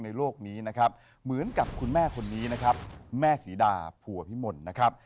โลกนี้นะครับเหมือนกับคุณแม่คนนี้นะครับแม่ศรีดาผัวพิมลนะครับ